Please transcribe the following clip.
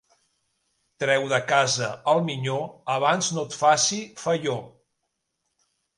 Treu de casa el minyó abans no et faci felló.